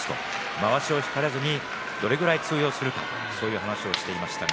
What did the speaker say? まわしを引かれないようどれぐらい通用するかと話をしていました。